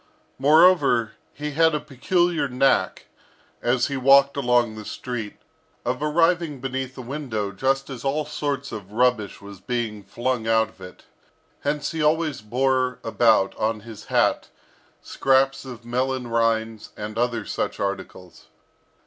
Moreover, he had a peculiar knack, as he walked along the street, of arriving beneath a window just as all sorts of rubbish was being flung out of it; hence he always bore about on his hat scraps of melon rinds, and other such articles.